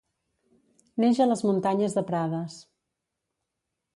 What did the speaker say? Neix a les Muntanyes de Prades.